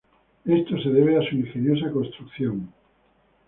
Esto se debe a su ingeniosa construcción.